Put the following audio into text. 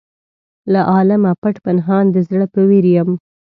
له عالمه پټ پنهان د زړه په ویر یم.